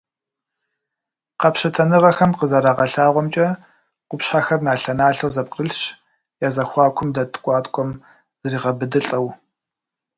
Къэпщытэныгъэхэм къызэрагъэлъэгъуамкӏэ, къупщхьэхэр налъэ-налъэу зэпкърылъщ, я зэхуакум дэт ткӏуаткӏуэм зригъэбыдылӏэу.